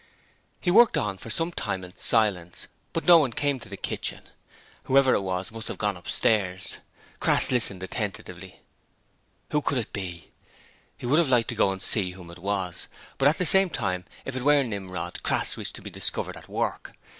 He worked on for some time in silence, but no one came to the kitchen: whoever it was must have gone upstairs. Crass listened attentively. Who could it be? He would have liked to go to see whom it was, but at the same time, if it were Nimrod, Crass wished to be discovered at work.